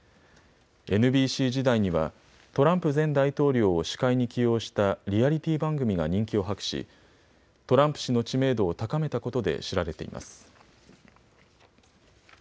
ＮＢＣ時代にはトランプ前大統領を司会に起用したリアリティー番組が人気を博し、トランプ氏の知名度を高めたことで知られています。